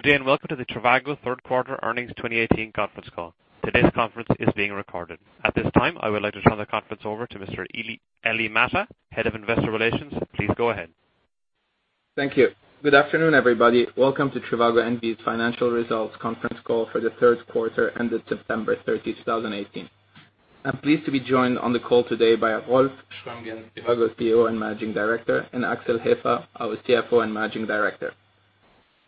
Good day. Welcome to the trivago third quarter earnings 2018 conference call. Today's conference is being recorded. At this time, I would like to turn the conference over to Mr. Elie Matta, Head of Investor Relations. Please go ahead. Thank you. Good afternoon, everybody. Welcome to trivago N.V.'s financial results conference call for the third quarter ended September 30, 2018. I am pleased to be joined on the call today by Rolf Schrömgens, trivago CEO and Managing Director, and Axel Hefer, our CFO and Managing Director.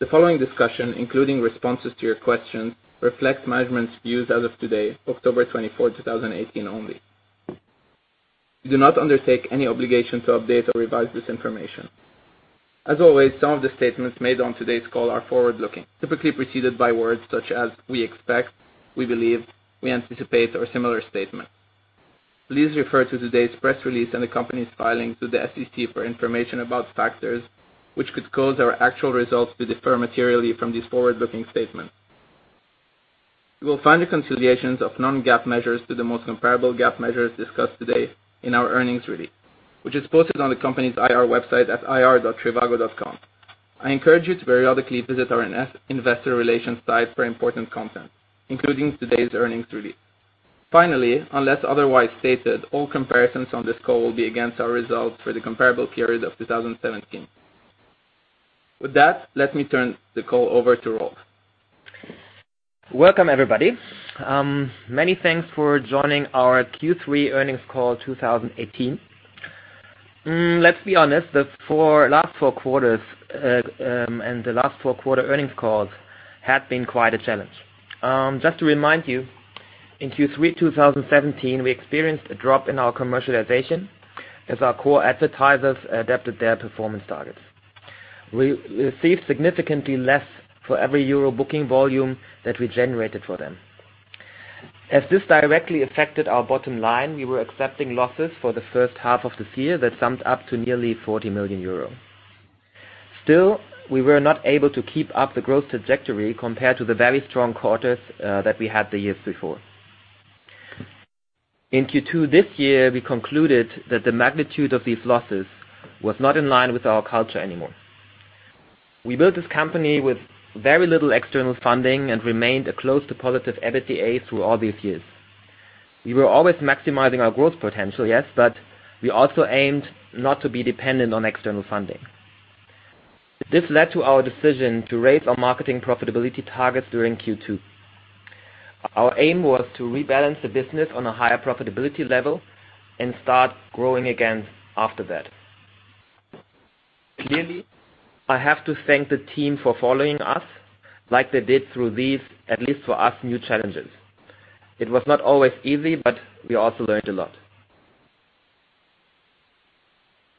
The following discussion, including responses to your questions, reflects management's views as of today, October 24, 2018, only. We do not undertake any obligation to update or revise this information. Some of the statements made on today's call are forward-looking, typically preceded by words such as we expect, we believe, we anticipate, or similar statements. Please refer to today's press release and the company's filing to the SEC for information about factors which could cause our actual results to differ materially from these forward-looking statements. You will find the reconciliations of non-GAAP measures to the most comparable GAAP measures discussed today in our earnings release, which is posted on the company's IR website at ir.trivago.com. I encourage you to periodically visit our investor relations site for important content, including today's earnings release. Unless otherwise stated, all comparisons on this call will be against our results for the comparable period of 2017. With that, let me turn the call over to Rolf. Welcome, everybody. Many thanks for joining our Q3 earnings call 2018. The last four quarters, and the last four quarter earnings calls have been quite a challenge. To remind you, in Q3 2017, we experienced a drop in our commercialization as our core advertisers adapted their performance targets. We received significantly less for every EUR booking volume that we generated for them. As this directly affected our bottom line, we were accepting losses for the first half of this year that summed up to nearly 40 million euro. We were not able to keep up the growth trajectory compared to the very strong quarters that we had the years before. In Q2 this year, we concluded that the magnitude of these losses was not in line with our culture anymore. We built this company with very little external funding and remained close to positive EBITDA through all these years. We were always maximizing our growth potential, yes, but we also aimed not to be dependent on external funding. This led to our decision to raise our marketing profitability targets during Q2. Our aim was to rebalance the business on a higher profitability level and start growing again after that. Clearly, I have to thank the team for following us like they did through these, at least for us, new challenges. It was not always easy, but we also learned a lot.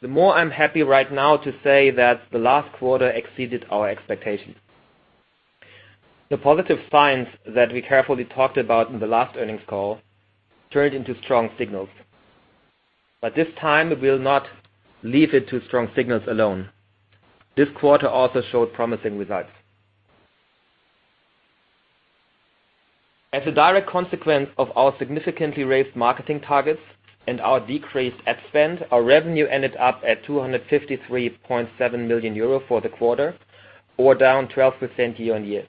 The more I'm happy right now to say that the last quarter exceeded our expectations. The positive signs that we carefully talked about in the last earnings call turned into strong signals, but this time we will not leave it to strong signals alone. This quarter also showed promising results. As a direct consequence of our significantly raised marketing targets and our decreased ad spend, our revenue ended up at 253.7 million euro for the quarter, or down 12% year-on-year.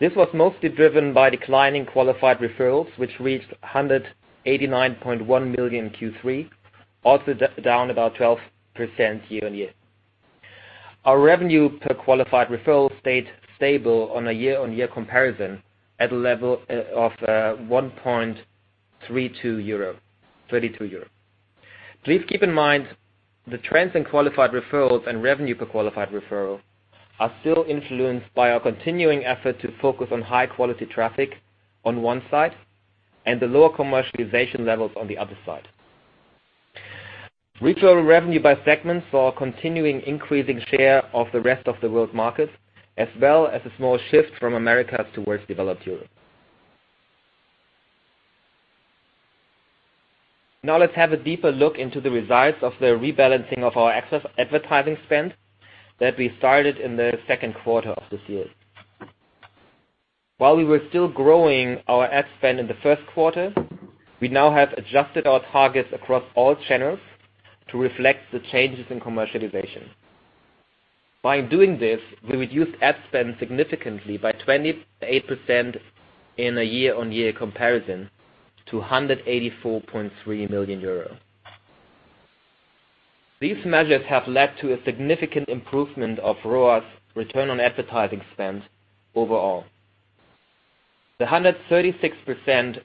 This was mostly driven by declining qualified referrals, which reached 189.1 million in Q3, also down about 12% year-on-year. Our revenue per qualified referral stayed stable on a year-on-year comparison at a level of 1.32 euro. Please keep in mind, the trends in qualified referrals and revenue per qualified referral are still influenced by our continuing effort to focus on high-quality traffic on one side and the lower commercialization levels on the other side. Retail revenue by segment saw a continuing increasing share of the Rest of the World market, as well as a small shift from Americas towards Developed Europe. Let's have a deeper look into the results of the rebalancing of our advertising spend that we started in the second quarter of this year. While we were still growing our ad spend in the first quarter, we now have adjusted our targets across all channels to reflect the changes in commercialization. By doing this, we reduced ad spend significantly by 28% in a year-on-year comparison to 184.3 million euro. These measures have led to a significant improvement of ROAS, return on advertising spend, overall. The 136%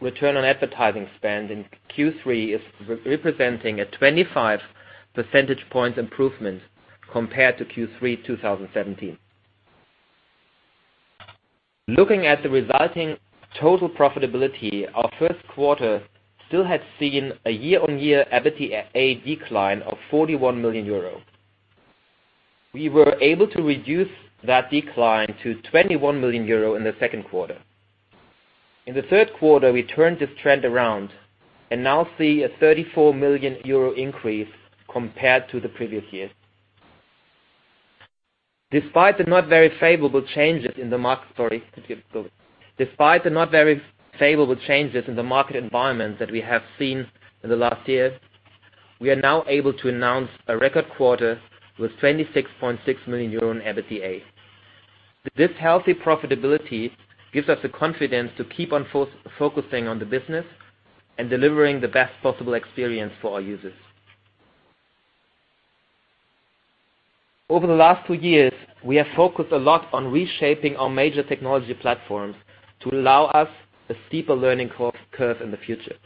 return on advertising spend in Q3 is representing a 25 percentage points improvement compared to Q3 2017. Looking at the resulting total profitability, our first quarter still had seen a year-on-year EBITDA decline of 41 million euro. We were able to reduce that decline to 21 million euro in the second quarter. In the third quarter, we turned this trend around and now see a 34 million euro increase compared to the previous years. Despite the not very favorable changes in the market environment that we have seen in the last years, we are now able to announce a record quarter with 26.6 million euro in EBITDA. This healthy profitability gives us the confidence to keep on focusing on the business and delivering the best possible experience for our users. Over the last two years, we have focused a lot on reshaping our major technology platforms to allow us a steeper learning curve in the future.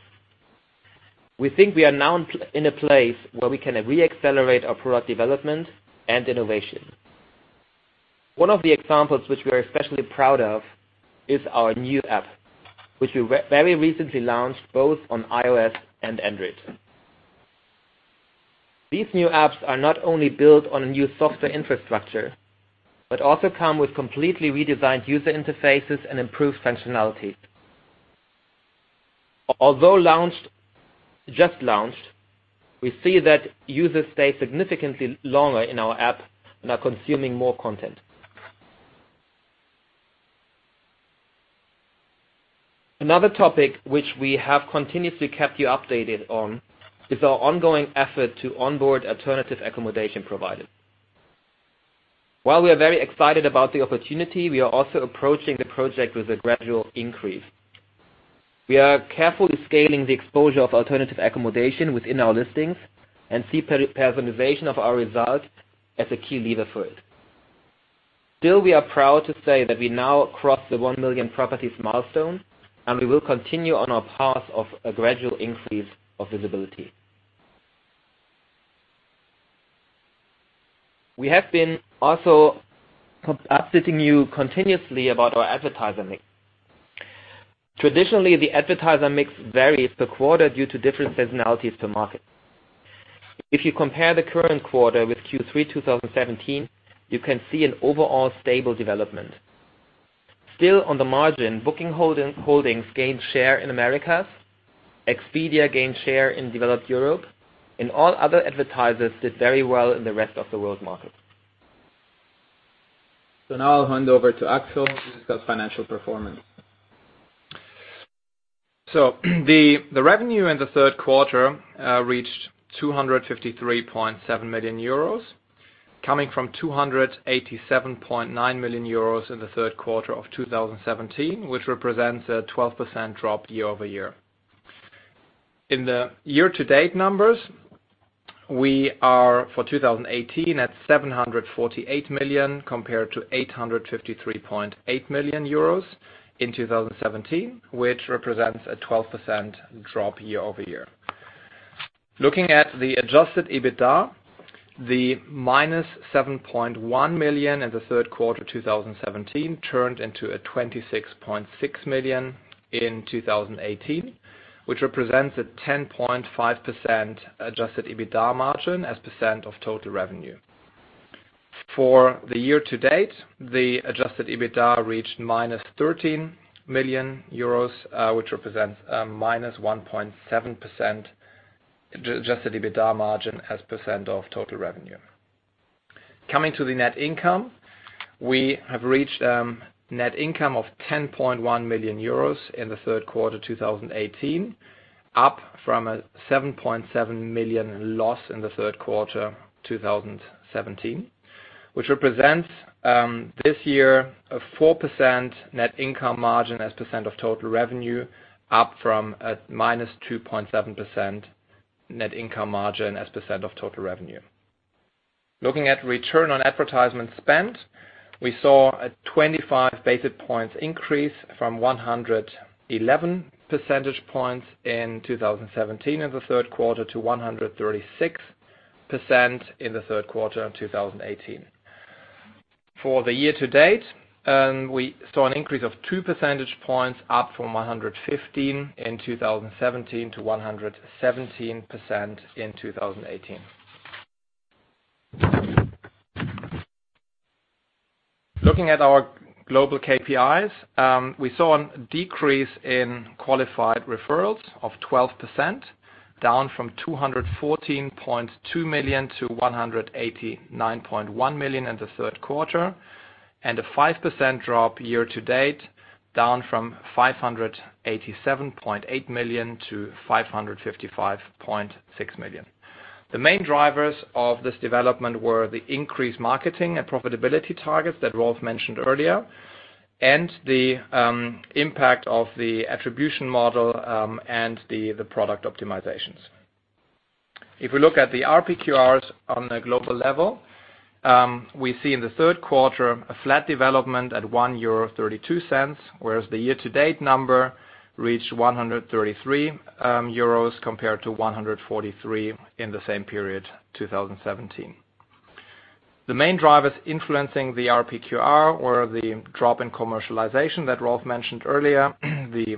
We think we are now in a place where we can re-accelerate our product development and innovation. One of the examples which we are especially proud of is our new app, which we very recently launched both on iOS and Android. These new apps are not only built on a new software infrastructure, but also come with completely redesigned user interfaces and improved functionality. Although just launched, we see that users stay significantly longer in our app and are consuming more content. Another topic which we have continuously kept you updated on is our ongoing effort to onboard alternative accommodation providers. While we are very excited about the opportunity, we are also approaching the project with a gradual increase. We are carefully scaling the exposure of alternative accommodation within our listings and see personalization of our results as a key lever for it. Still, we are proud to say that we now crossed the 1 million properties milestone, and we will continue on our path of a gradual increase of visibility. We have been also updating you continuously about our advertiser mix. Traditionally, the advertiser mix varies per quarter due to different seasonalities per market. If you compare the current quarter with Q3 2017, you can see an overall stable development. Still, on the margin, Booking Holdings gained share in Americas, Expedia gained share in Developed Europe, and all other advertisers did very well in the rest-of-the-world market. Now I'll hand over to Axel who's got financial performance. The revenue in the third quarter reached 253.7 million euros, coming from 287.9 million euros in the third quarter of 2017, which represents a 12% drop year-over-year. In the year-to-date numbers, we are, for 2018, at 748 million compared to 853.8 million euros in 2017, which represents a 12% drop year-over-year. Looking at the adjusted EBITDA, the minus 7.1 million in the third quarter 2017 turned into 26.6 million in 2018, which represents a 10.5% adjusted EBITDA margin as a % of total revenue. For the year to date, the adjusted EBITDA reached minus 13 million euros, which represents a minus 1.7% adjusted EBITDA margin as a % of total revenue. Coming to the net income, we have reached net income of 10.1 million euros in the third quarter 2018, up from a 7.7 million loss in the third quarter 2017, which represents this year a 4% net income margin as a percent of total revenue, up from a -2.7% net income margin as a percent of total revenue. Looking at return on advertising spend, we saw a 25 percentage points increase from 111 percentage points in 2017 in the third quarter to 136% in the third quarter of 2018. For the year to date, we saw an increase of two percentage points up from 115% in 2017 to 117% in 2018. Looking at our global KPIs, we saw a decrease in qualified referrals of 12%, down from 214.2 million to 189.1 million in the third quarter, and a 5% drop year-to-date, down from 587.8 million to 555.6 million. The main drivers of this development were the increased marketing and profitability targets that Rolf Schrömgens mentioned earlier, the impact of the attribution model, and the product optimizations. If we look at the RPQRs on a global level, we see in the third quarter a flat development at 1.32 euro, whereas the year-to-date number reached 1.33 euros compared to 1.43 in the same period, 2017. The main drivers influencing the RPQR were the drop in commercialization that Rolf Schrömgens mentioned earlier, the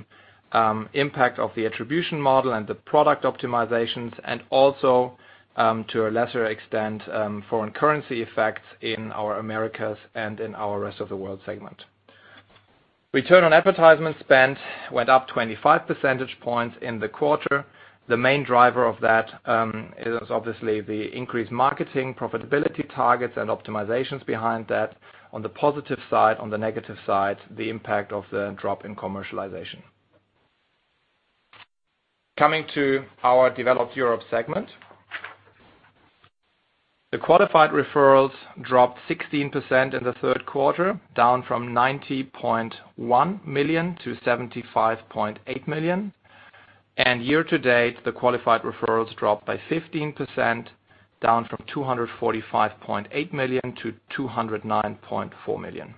impact of the attribution model and the product optimizations, and also, to a lesser extent, foreign currency effects in our Americas and in our rest-of-the-world segment. Return on advertising spend went up 25 percentage points in the quarter. The main driver of that is obviously the increased marketing profitability targets and optimizations behind that on the positive side. On the negative side, the impact of the drop in commercialization. Coming to our Developed Europe segment, the qualified referrals dropped 16% in the third quarter, down from 90.1 million to 75.8 million. Year-to-date, the qualified referrals dropped by 15%, down from 245.8 million to 209.4 million.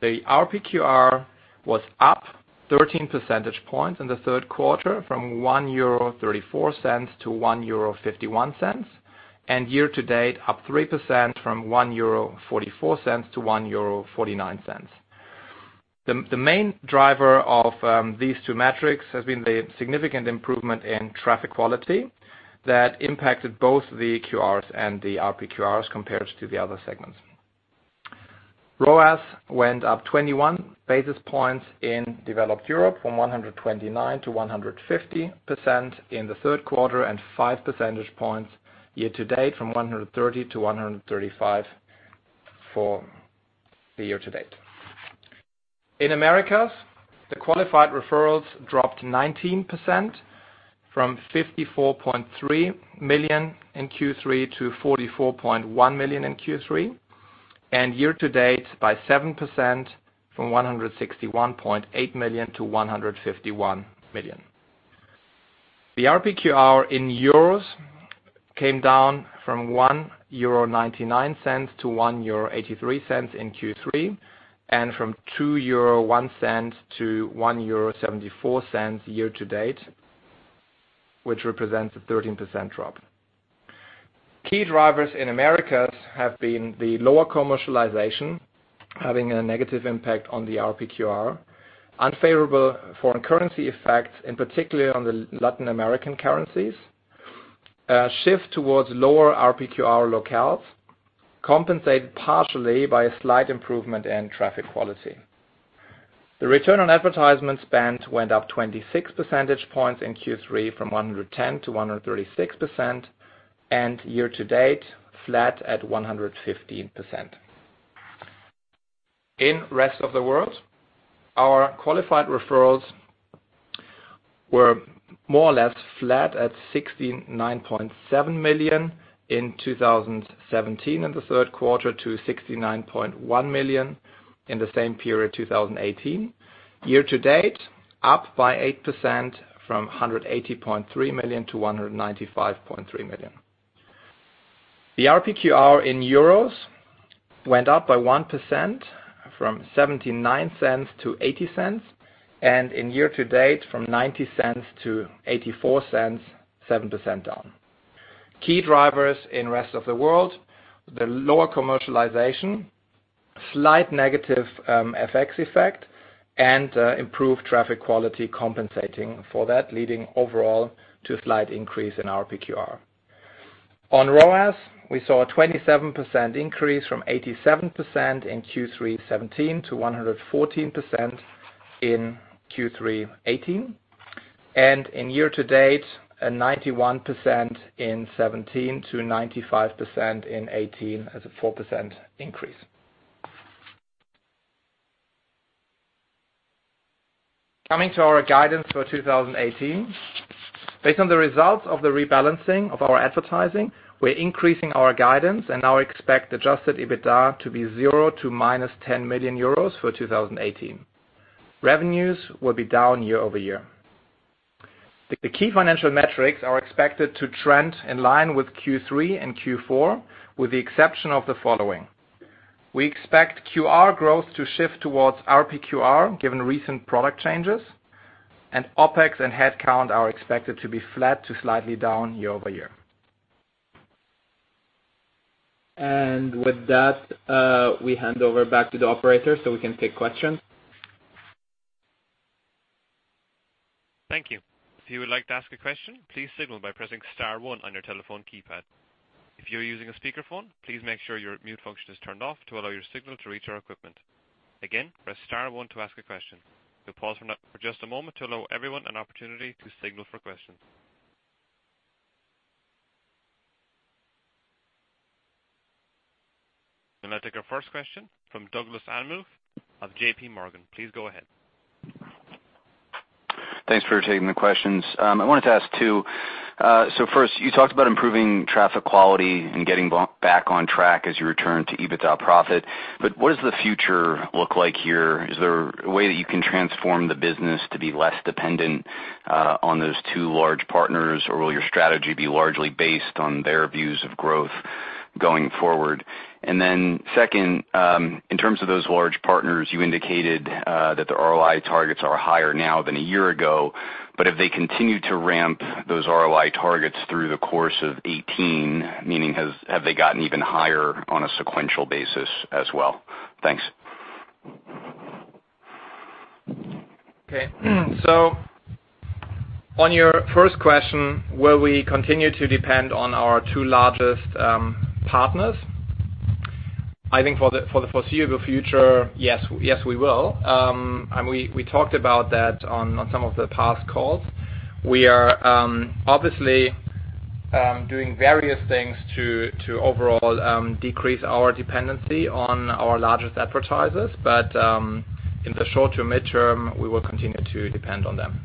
The RPQR was up 13 percentage points in the third quarter from 1.34 euro to 1.51 euro. Year-to-date, up 3% from 1.44 euro to 1.49 euro. The main driver of these two metrics has been the significant improvement in traffic quality that impacted both the QRs and the RPQRs compared to the other segments. ROAS went up 21 basis points in Developed Europe, from 129% to 150% in the third quarter, and five percentage points year-to-date, from 130% to 135% for the year-to-date. In Americas, the qualified referrals dropped 19%, from 54.3 million in Q3 to 44.1 million in Q3. Year-to-date, by 7%, from 161.8 million to 151 million. The RPQR in euros came down from 1.99 euro to 1.83 euro in Q3, and from 2.01 euro to 1.74 euro year-to-date, which represents a 13% drop. Key drivers in Americas have been the lower commercialization, having a negative impact on the RPQR, unfavorable foreign currency effects, in particular on the Latin American currencies, a shift towards lower RPQR locales, compensated partially by a slight improvement in traffic quality. The return on advertising spend went up 26 percentage points in Q3, from 110% to 136%, and year-to-date, flat at 115%. In Rest of the World, our qualified referrals were more or less flat at 69.7 million in 2017 in the third quarter, to 69.1 million in the same period 2018. Year-to-date, up by 8%, from 180.3 million to 195.3 million. The RPQR in euros went up by 1%, from 0.79 to 0.80. Year-to-date, from 0.90 to 0.84, 7% down. Key drivers in Rest of the World, the lower commercialization, slight negative FX effect, and improved traffic quality compensating for that, leading overall to a slight increase in RPQR. On ROAS, we saw a 27% increase from 87% in Q3 2017 to 114% in Q3 2018. Year-to-date, a 91% in 2017 to 95% in 2018 as a 4% increase. Coming to our guidance for 2018. Based on the results of the rebalancing of our advertising, we are increasing our guidance and now expect adjusted EBITDA to be zero to minus 10 million euros for 2018. Revenues will be down year-over-year. The key financial metrics are expected to trend in line with Q3 and Q4, with the exception of the following. We expect QR growth to shift towards RPQR, given recent product changes, and OpEx and headcount are expected to be flat to slightly down year-over-year. With that, we hand over back to the operator so we can take questions. Thank you. If you would like to ask a question, please signal by pressing star 1 on your telephone keypad. If you're using a speakerphone, please make sure your mute function is turned off to allow your signal to reach our equipment. Again, press star 1 to ask a question. We'll pause for now for just a moment to allow everyone an opportunity to signal for questions. I'll take our first question from Douglas Anmuth of JPMorgan. Please go ahead. Thanks for taking the questions. I wanted to ask two. First, you talked about improving traffic quality and getting back on track as you return to EBITDA profit. What does the future look like here? Is there a way that you can transform the business to be less dependent on those two large partners? Will your strategy be largely based on their views of growth going forward? Second, in terms of those large partners, you indicated that the ROI targets are higher now than a year ago, if they continue to ramp those ROI targets through the course of 2018, meaning have they gotten even higher on a sequential basis as well? Thanks. Okay. On your first question, will we continue to depend on our two largest partners? I think for the foreseeable future, yes, we will. We talked about that on some of the past calls. We are obviously doing various things to overall decrease our dependency on our largest advertisers. In the short term, mid-term, we will continue to depend on them.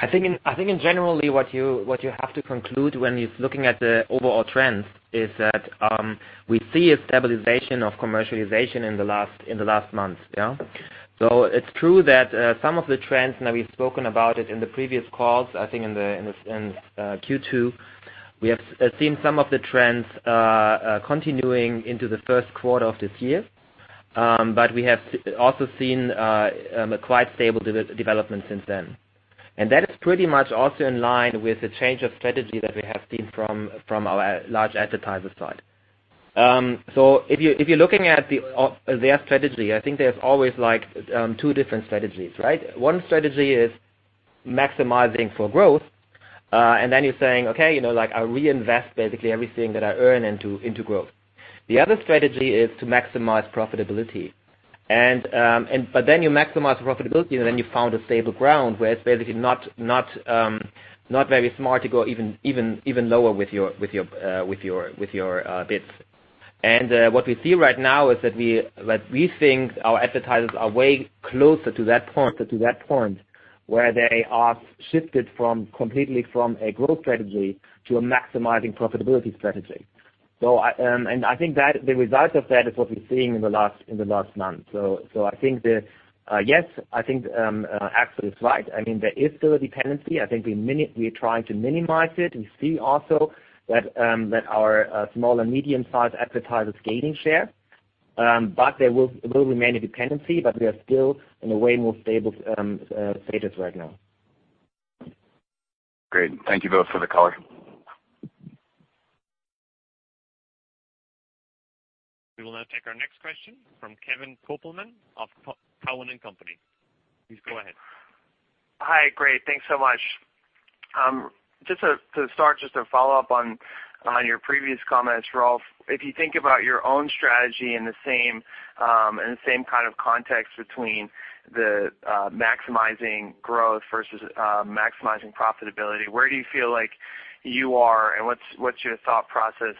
I think in generally what you have to conclude when you're looking at the overall trends is that we see a stabilization of commercialization in the last month. It's true that some of the trends, and we've spoken about it in the previous calls, I think in Q2, we have seen some of the trends continuing into the first quarter of this year. We have also seen a quite stable development since then. That is pretty much also in line with the change of strategy that we have seen from our large advertiser side. If you're looking at their strategy, I think there's always two different strategies. One strategy is maximizing for growth, then you're saying, "Okay, I reinvest basically everything that I earn into growth." The other strategy is to maximize profitability. You maximize profitability, then you found a stable ground where it's basically not very smart to go even lower with your bids. What we see right now is that we think our advertisers are way closer to that point, where they are shifted completely from a growth strategy to a maximizing profitability strategy. I think the result of that is what we're seeing in the last month. I think, yes, I think Axel is right. There is still a dependency. I think we are trying to minimize it. We see also that our small and medium-sized advertisers gaining share. There will remain a dependency, we are still in a way more stable status right now. Great. Thank you both for the color. We will now take our next question from Kevin Kopelman of Cowen and Company. Please go ahead. Hi. Great, thanks so much. Just to start, just to follow up on your previous comments, Rolf, if you think about your own strategy in the same kind of context between the maximizing growth versus maximizing profitability, where do you feel like you are, and what's your thought process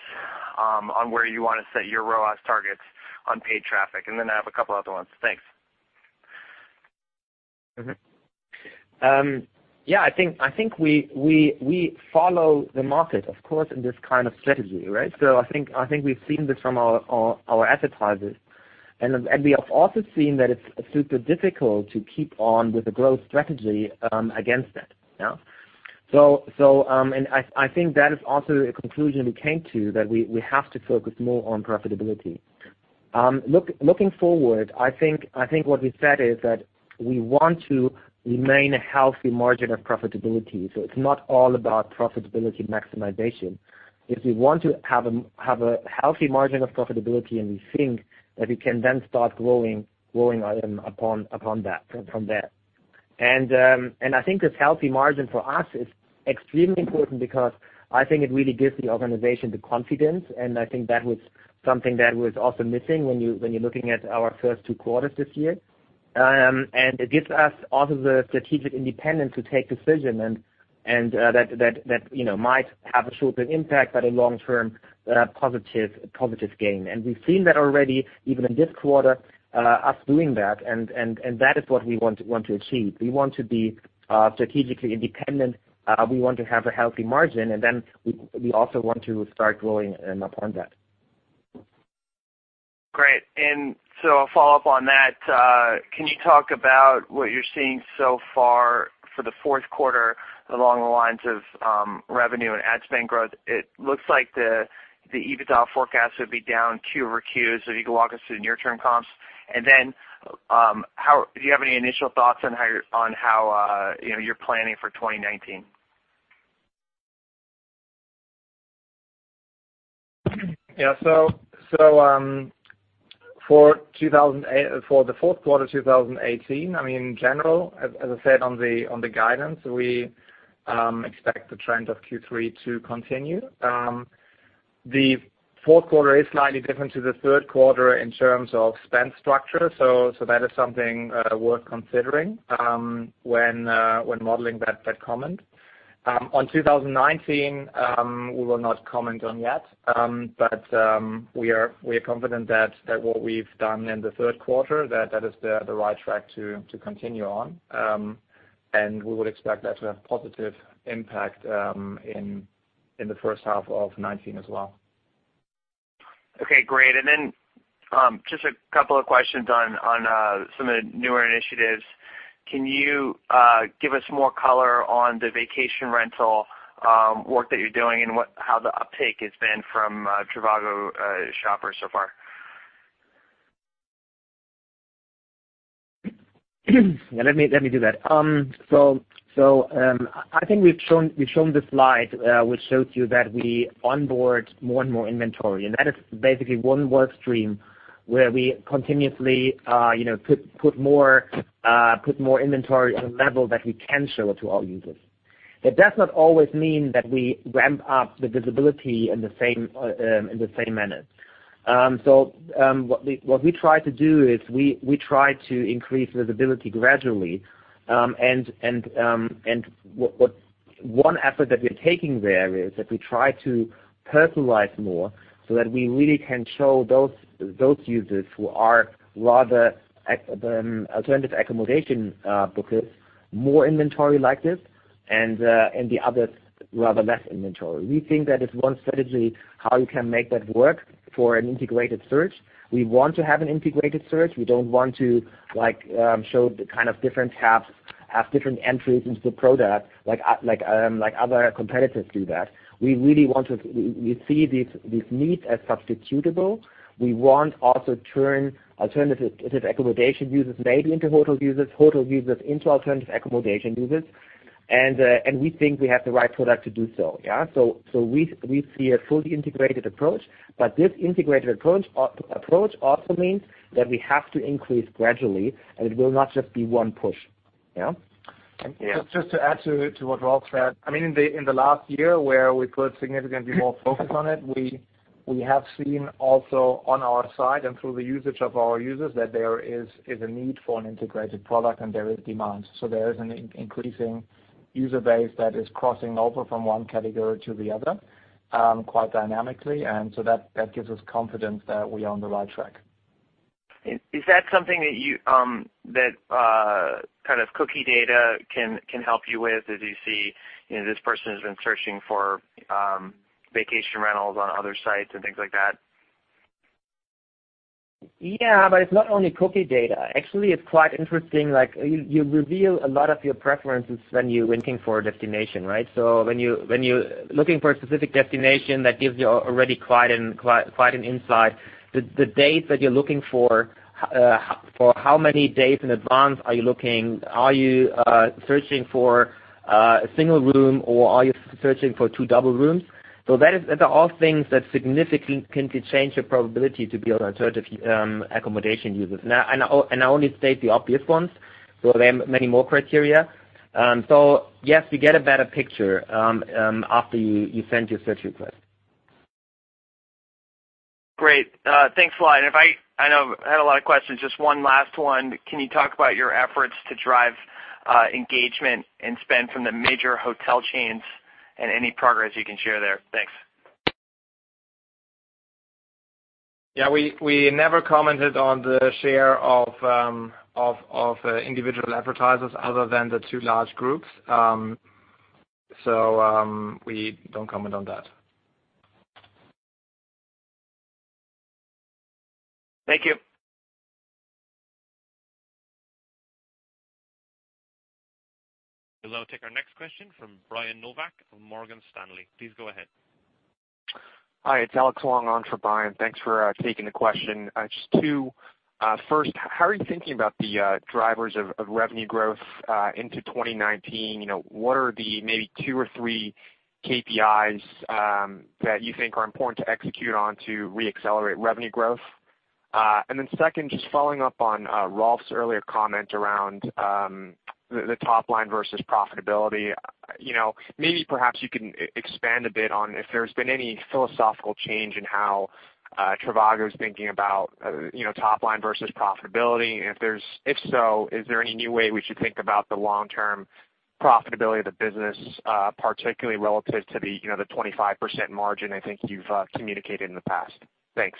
on where you want to set your ROAS targets on paid traffic? I have a couple other ones. Thanks. Yeah, I think we follow the market, of course, in this kind of strategy, right? I think we've seen this from our advertisers, we have also seen that it's super difficult to keep on with a growth strategy against that. I think that is also a conclusion we came to, that we have to focus more on profitability. Looking forward, I think what we said is that we want to remain a healthy margin of profitability. It's not all about profitability maximization. If we want to have a healthy margin of profitability, we think that we can then start growing upon that from there. I think this healthy margin for us is extremely important because I think it really gives the organization the confidence, I think that was something that was also missing when you're looking at our first two quarters this year. It gives us also the strategic independence to take decision, that might have a short-term impact, but a long-term positive gain. We've seen that already, even in this quarter, us doing that is what we want to achieve. We want to be strategically independent. We want to have a healthy margin, we also want to start growing upon that. Great. A follow-up on that, can you talk about what you're seeing so far for the fourth quarter along the lines of revenue and ad spend growth? It looks like the EBITDA forecast would be down Q-over-Q. If you could walk us through the near-term comps. Do you have any initial thoughts on how you're planning for 2019? For the fourth quarter 2018, in general, as I said on the guidance, we expect the trend of Q3 to continue. The fourth quarter is slightly different to the third quarter in terms of spend structure, so that is something worth considering when modeling that comment. On 2019, we will not comment on yet. We are confident that what we've done in the third quarter, that is the right track to continue on. We would expect that to have positive impact in the first half of 2019 as well. Okay, great. Just a couple of questions on some of the newer initiatives. Can you give us more color on the vacation rental work that you're doing and how the uptake has been from trivago shoppers so far? Yeah, let me do that. I think we've shown the slide, which shows you that we onboard more and more inventory, and that is basically one work stream where we continuously put more inventory on a level that we can show it to our users. That does not always mean that we ramp up the visibility in the same manner. What we try to do is we try to increase visibility gradually. One effort that we're taking there is that we try to personalize more so that we really can show those users who are rather alternative accommodation bookers more inventory like this and the others rather less inventory. We think that is one strategy how you can make that work for an integrated search. We want to have an integrated search. We don't want to show the different tabs as different entries into the product like other competitors do that. We see these needs as substitutable. We want also turn alternative accommodation users maybe into hotel users, hotel users into alternative accommodation users. We think we have the right product to do so. Yeah. We see a fully integrated approach, but this integrated approach also means that we have to increase gradually, and it will not just be one push. Yeah. Yeah. Just to add to what Rolf said. In the last year where we put significantly more focus on it, we have seen also on our side and through the usage of our users that there is a need for an integrated product and there is demand. There is an increasing user base that is crossing over from one category to the other, quite dynamically. That gives us confidence that we are on the right track. Is that something that cookie data can help you with as you see this person has been searching for vacation rentals on other sites and things like that? It's not only cookie data. Actually, it's quite interesting, you reveal a lot of your preferences when you're looking for a destination, right? When you're looking for a specific destination, that gives you already quite an insight. The dates that you're looking for how many days in advance are you looking? Are you searching for a single room or are you searching for two double rooms? That are all things that significantly can change your probability to be an alternative accommodation user. I only state the obvious ones. There are many more criteria. Yes, we get a better picture after you send your search request. Great. Thanks a lot. I know I had a lot of questions, just one last one. Can you talk about your efforts to drive engagement and spend from the major hotel chains and any progress you can share there? Thanks. We never commented on the share of individual advertisers other than the two large groups. We don't comment on that. Thank you. We'll now take our next question from Brian Nowak of Morgan Stanley. Please go ahead. Hi, it's Alex along on for Brian. Thanks for taking the question. Just two. First, how are you thinking about the drivers of revenue growth into 2019? What are the maybe two or three KPIs that you think are important to execute on to re-accelerate revenue growth? Second, just following up on Rolf's earlier comment around the top line versus profitability. Maybe perhaps you can expand a bit on if there's been any philosophical change in how trivago is thinking about top line versus profitability, and if so, is there any new way we should think about the long-term profitability of the business, particularly relative to the 25% margin I think you've communicated in the past? Thanks.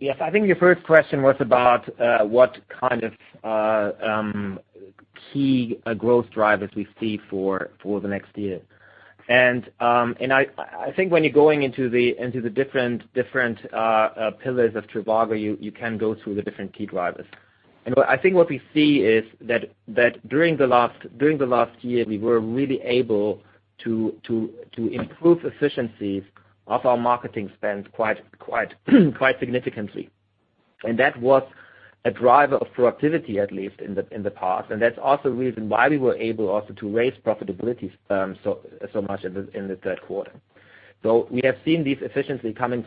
Yes. I think your first question was about what kind of key growth drivers we see for the next year. I think when you're going into the different pillars of trivago, you can go through the different key drivers. I think what we see is that during the last year, we were really able to improve efficiencies of our marketing spend quite significantly. That was a driver of productivity, at least in the past, and that's also the reason why we were able also to raise profitability so much in the third quarter. We have seen these efficiencies coming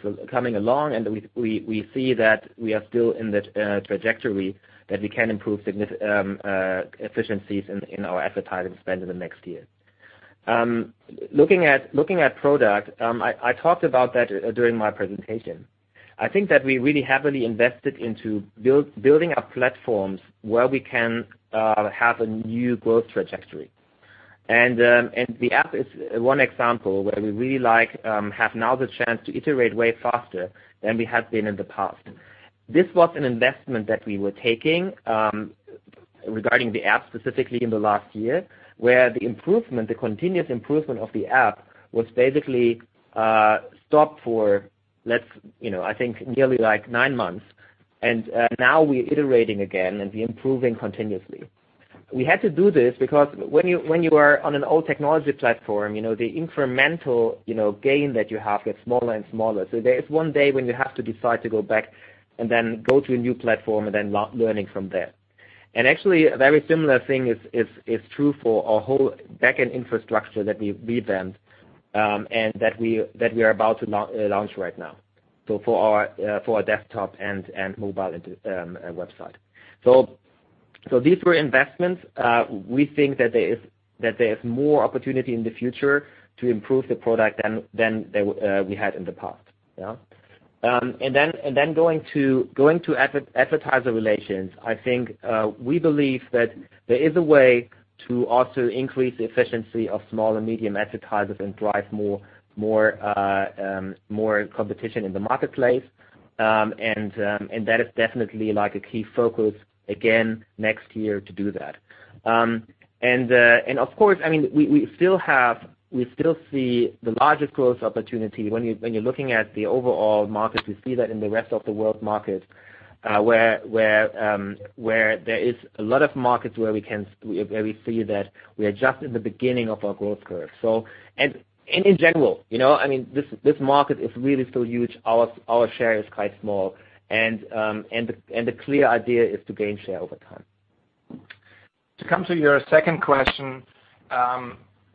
along, and we see that we are still in that trajectory that we can improve efficiencies in our advertising spend in the next year. Looking at product, I talked about that during my presentation. I think that we really heavily invested into building our platforms where we can have a new growth trajectory. The app is one example where we really have now the chance to iterate way faster than we have been in the past. This was an investment that we were taking, regarding the app specifically in the last year, where the continuous improvement of the app was basically stopped for, I think nearly nine months, and now we are iterating again and we improving continuously. We had to do this because when you are on an old technology platform, the incremental gain that you have gets smaller and smaller. There is one day when you have to decide to go back and then go to a new platform and then learning from there. Actually, a very similar thing is true for our whole backend infrastructure that we revamped, and that we are about to launch right now. For our desktop and mobile website. These were investments. We think that there is more opportunity in the future to improve the product than we had in the past. Going to advertiser relations, I think, we believe that there is a way to also increase the efficiency of small and medium advertisers and drive more competition in the marketplace. That is definitely a key focus again next year to do that. Of course, we still see the largest growth opportunity when you're looking at the overall market. We see that in the rest-of-the-world market, where there is a lot of markets where we see that we are just at the beginning of our growth curve. In general, this market is really still huge. Our share is quite small, and the clear idea is to gain share over time. To come to your second question,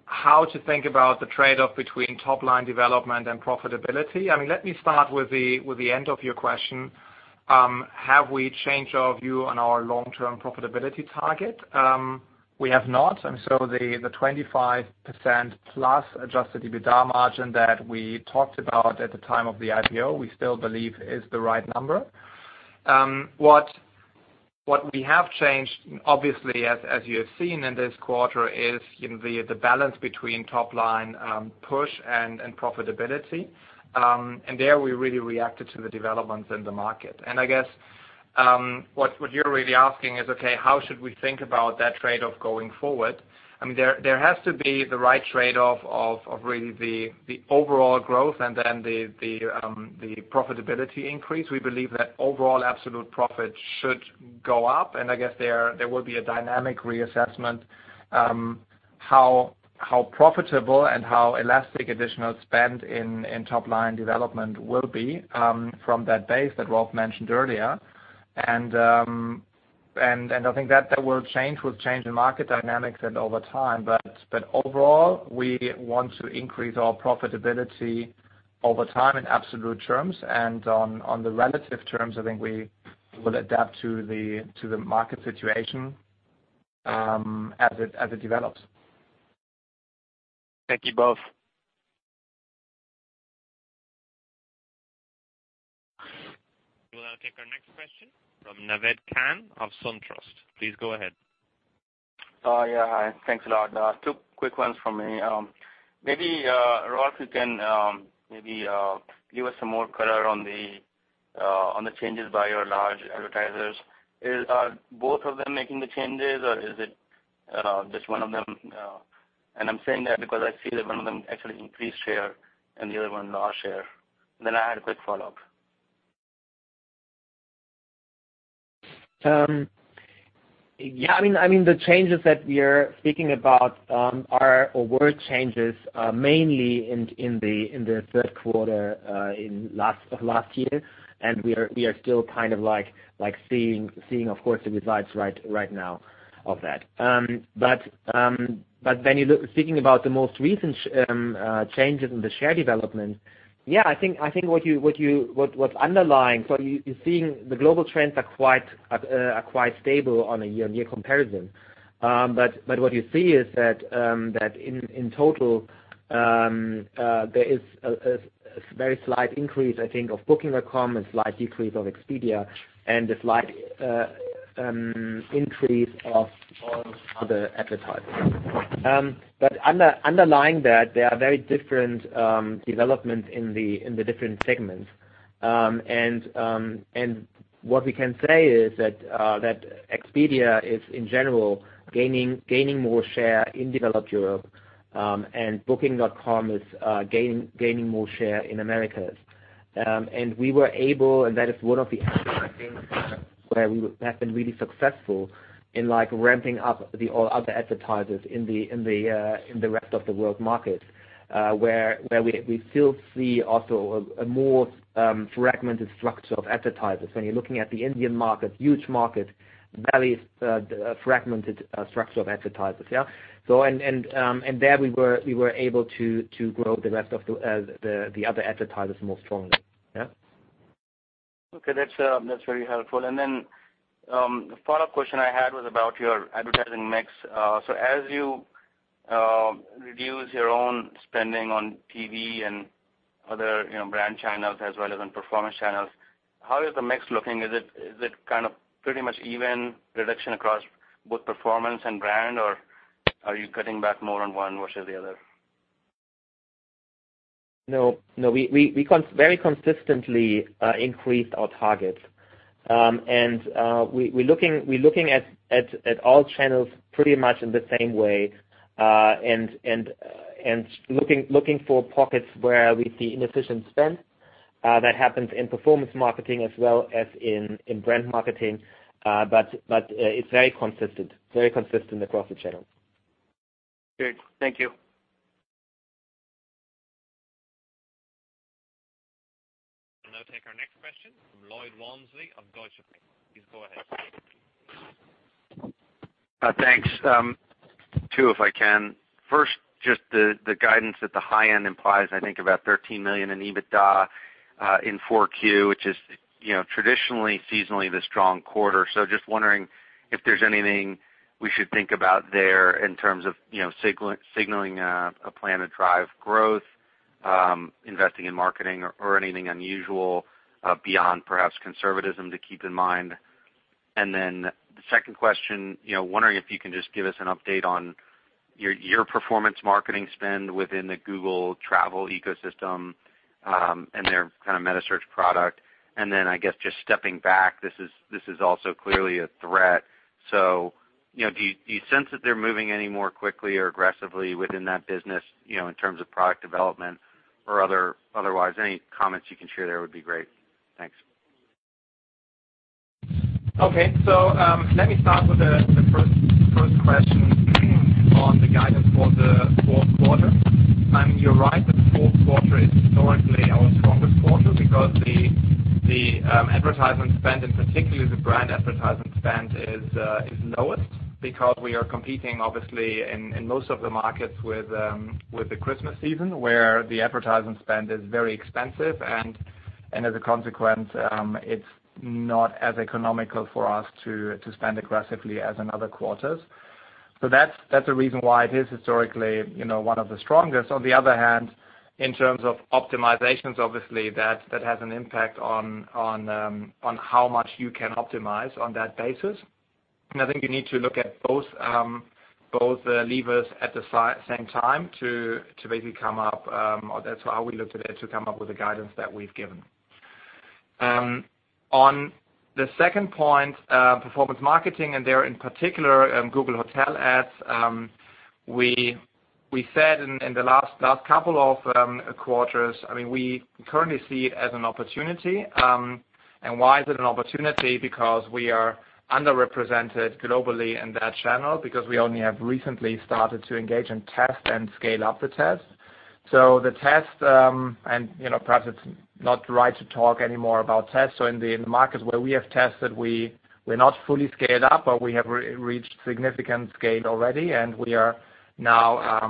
how to think about the trade-off between top-line development and profitability. Let me start with the end of your question. Have we changed our view on our long-term profitability target? We have not. The 25% plus adjusted EBITDA margin that we talked about at the time of the IPO, we still believe is the right number. What we have changed, obviously, as you have seen in this quarter, is the balance between top-line push and profitability. There we really reacted to the developments in the market. I guess, what you're really asking is, okay, how should we think about that trade-off going forward? There has to be the right trade-off of really the overall growth and then the profitability increase. We believe that overall absolute profit should go up, and I guess there will be a dynamic reassessment how profitable and how elastic additional spend in top-line development will be from that base that Rolf mentioned earlier. I think that will change with changing market dynamics and over time. Overall, we want to increase our profitability over time in absolute terms. On the relative terms, I think we will adapt to the market situation as it develops. Thank you both. We will now take our next question from Naved Khan of SunTrust. Please go ahead. Yeah. Hi, thanks a lot. Two quick ones from me. Maybe, Rolf, you can maybe give us some more color on the changes by your large advertisers. Are both of them making the changes, or is it just one of them? I am saying that because I see that one of them actually increased share and the other one lost share. I had a quick follow-up. Yeah. The changes that we are speaking about are award changes, mainly in the third quarter of last year. We are still seeing, of course, the results right now of that. You are thinking about the most recent changes in the share development. Yeah, I think what is underlying, what you are seeing, the global trends are quite stable on a year-on-year comparison. What you see is that in total, there is a very slight increase, I think, of Booking.com, a slight decrease of Expedia, and a slight increase of all other advertisers. Underlying that, there are very different developments in the different segments. What we can say is that Expedia is, in general, gaining more share in Developed Europe. Booking.com is gaining more share in Americas. We were able, and that is one of the advertising where we have been really successful in ramping up the other advertisers in the rest-of-the-world market, where we still see also a more fragmented structure of advertisers. When you are looking at the Indian market, huge market, very fragmented structure of advertisers, yeah? There we were able to grow the rest of the other advertisers more strongly. Yeah. Okay. That is very helpful. The follow-up question I had was about your advertising mix. As you reduce your own spending on TV and other brand channels as well as on performance channels, how is the mix looking? Is it pretty much even reduction across both performance and brand, or are you cutting back more on one versus the other? No. We very consistently increased our targets. We're looking at all channels pretty much in the same way, looking for pockets where we see inefficient spend. That happens in performance marketing as well as in brand marketing. It's very consistent across the channels. Great. Thank you. I'll now take our next question from Lloyd Walmsley of Deutsche Bank. Please go ahead. Thanks. Two, if I can. First, just the guidance at the high end implies, I think, about 13 million in EBITDA in 4Q, which is traditionally seasonally the strong quarter. Just wondering if there's anything we should think about there in terms of signaling a plan to drive growth, investing in marketing or anything unusual beyond perhaps conservatism to keep in mind. The second question, wondering if you can just give us an update on your performance marketing spend within the Google Travel ecosystem, and their kind of meta search product. I guess just stepping back, this is also clearly a threat. Do you sense that they're moving any more quickly or aggressively within that business, in terms of product development or otherwise? Any comments you can share there would be great. Thanks. Let me start with the first question on the guidance for the fourth quarter. You're right, the fourth quarter is historically our strongest quarter because the advertisement spend, and particularly the brand advertisement spend, is lowest because we are competing, obviously, in most of the markets with the Christmas season, where the advertisement spend is very expensive, and as a consequence, it's not as economical for us to spend aggressively as in other quarters. That's the reason why it is historically one of the strongest. On the other hand, in terms of optimizations, obviously that has an impact on how much you can optimize on that basis. I think you need to look at both levers at the same time to basically come up, or that's how we looked at it, to come up with the guidance that we've given. On the second point, performance marketing, and there in particular, Google Hotel Ads. We said in the last couple of quarters, we currently see it as an opportunity. Why is it an opportunity? Because we are underrepresented globally in that channel because we only have recently started to engage and test and scale up the test. The test, and perhaps it's not right to talk anymore about tests. In the markets where we have tested, we're not fully scaled up, but we have reached significant scale already, and we are now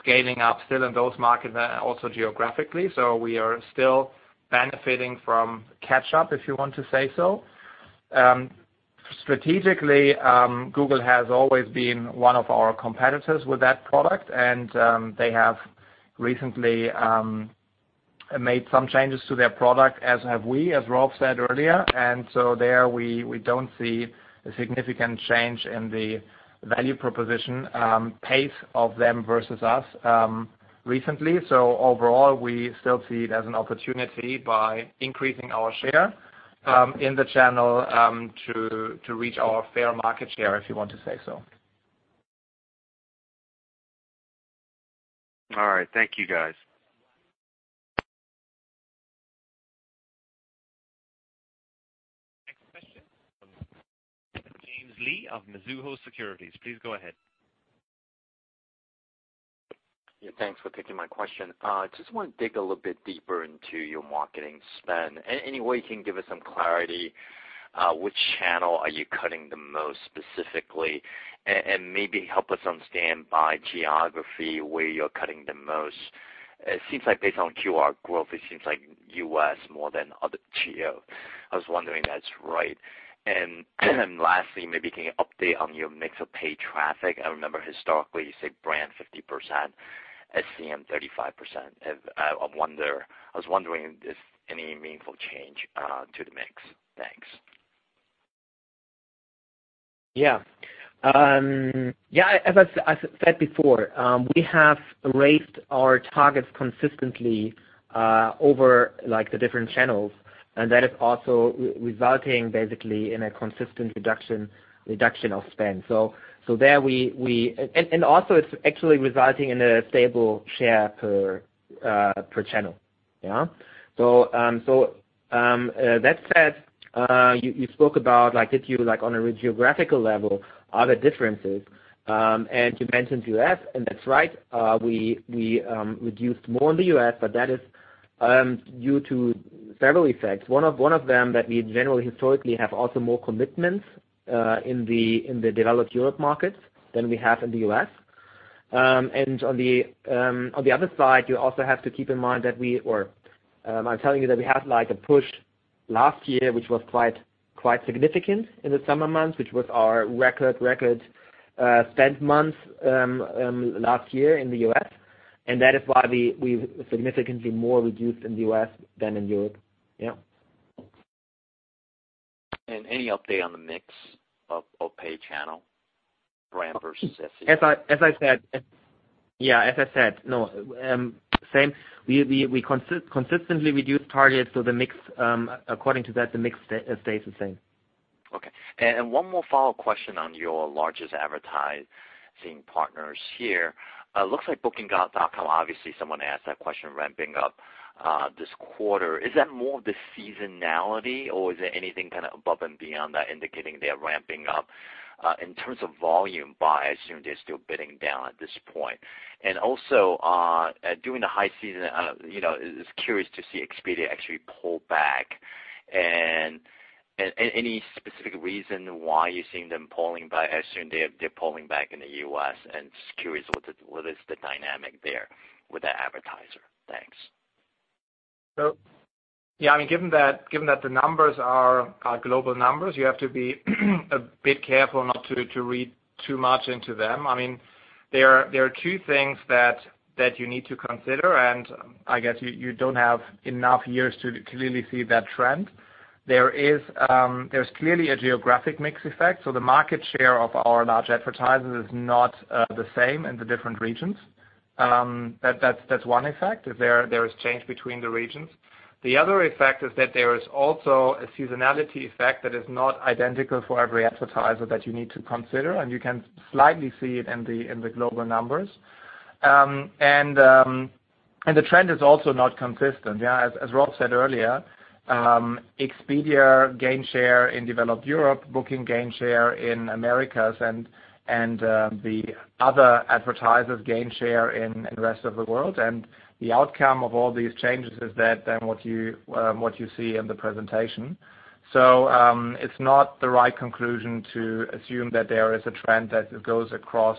scaling up still in those markets, also geographically. We are still benefiting from catch-up, if you want to say so. Strategically, Google has always been one of our competitors with that product, and they have recently made some changes to their product, as have we, as Rolf said earlier. There, we don't see a significant change in the value proposition pace of them versus us recently. Overall, we still see it as an opportunity by increasing our share in the channel to reach our fair market share, if you want to say so. All right. Thank you, guys. Next question from James Lee of Mizuho Securities. Please go ahead. Yeah, thanks for taking my question. Just want to dig a little bit deeper into your marketing spend. Any way you can give us some clarity, which channel are you cutting the most specifically? Maybe help us understand by geography where you're cutting the most. It seems like based on QR growth, it seems like U.S. more than other geo. I was wondering if that's right. Lastly, maybe can you update on your mix of paid traffic? I remember historically you said brand 50%, SEM 35%. I was wondering if there's any meaningful change to the mix. Thanks. Yeah. As I said before, we have raised our targets consistently over the different channels, that is also resulting basically in a consistent reduction of spend. Also, it's actually resulting in a stable share per channel. Yeah. That said, you spoke about if you, on a geographical level, are the differences, and you mentioned U.S., and that's right. We reduced more in the U.S., but that is due to several effects. One of them that we generally historically have also more commitments in the Developed Europe markets than we have in the U.S. On the other side, you also have to keep in mind that we, or I'm telling you that we had a push last year, which was quite significant in the summer months, which was our record spend month last year in the U.S. That is why we've significantly more reduced in the U.S. than in Europe. Yeah. Any update on the mix of paid channel brand versus SEM? As I said. Yeah. As I said, no, same. We consistently reduce targets, so according to that, the mix stays the same. Okay. One more follow-up question on your largest advertising partners here. Looks like Booking.com, obviously, someone asked that question ramping up this quarter. Is that more of the seasonality, or is there anything above and beyond that indicating they're ramping up in terms of volume buy, assuming they're still bidding down at this point? Also, during the high season, I was curious to see Expedia actually pull back Any specific reason why you're seeing them pulling back as soon they're pulling back in the U.S.? Just curious what is the dynamic there with the advertiser? Thanks. Yeah, given that the numbers are global numbers, you have to be a bit careful not to read too much into them. There are two things that you need to consider, and I guess you don't have enough years to clearly see that trend. There's clearly a geographic mix effect. The market share of our large advertisers is not the same in the different regions. That's one effect, is there is change between the regions. The other effect is that there is also a seasonality effect that is not identical for every advertiser that you need to consider, and you can slightly see it in the global numbers. The trend is also not consistent, yeah. As Rolf said earlier, Expedia gain share in Developed Europe, Booking gain share in Americas, and the other advertisers gain share in the rest of the world. The outcome of all these changes is that then what you see in the presentation. It's not the right conclusion to assume that there is a trend that goes across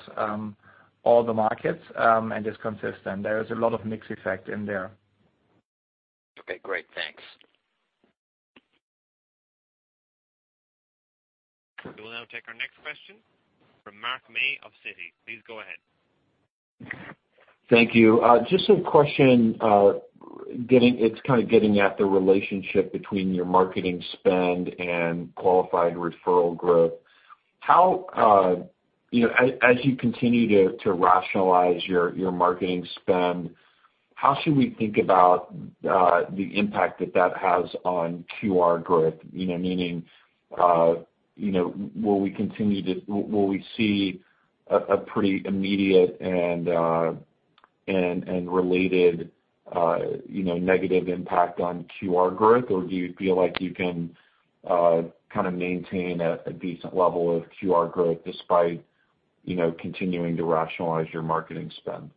all the markets, and is consistent. There is a lot of mix effect in there. Okay, great. Thanks. We will now take our next question from Mark May of Citi. Please go ahead. Thank you. Just a question, it is getting at the relationship between your marketing spend and qualified referral growth. As you continue to rationalize your marketing spend, how should we think about the impact that that has on QR growth? Meaning, will we see a pretty immediate and related negative impact on QR growth, or do you feel like you can maintain a decent level of QR growth despite continuing to rationalize your marketing spend?